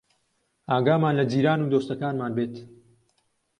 ئاگامان لە جیران و دۆستەکانمان بێت